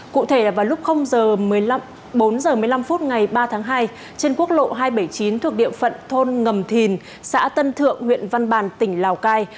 cụ thể vào lúc bốn h một mươi năm phút ngày ba tháng hai trên quốc lộ hai trăm bảy mươi chín thuộc địa phận thôn ngầm thìn xã tân thượng huyện văn bàn tỉnh lào cai